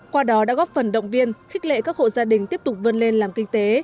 qua đó đã góp phần động viên khích lệ các hộ gia đình tiếp tục vươn lên làm kinh tế